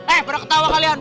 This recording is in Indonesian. eh pernah ketawa kalian